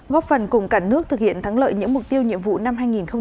góp phần cùng cả nước thực hiện thắng lợi những mục tiêu nhiệm vụ năm hai nghìn hai mươi